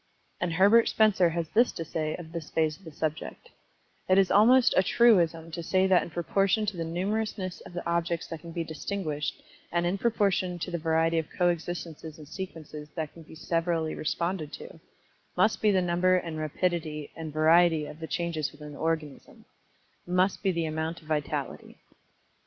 And Herbert Spencer, has this to say of this phase of the subject, "It is almost a truism to say that in proportion to the numerousness of the objects that can be distinguished, and in proportion to the variety of coexistences and sequences that can be severally responded to, must be the number and rapidity and variety of the changes within the organism must be the amount of vitality."